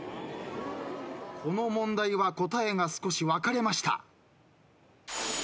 この問題は答えが少し分かれました。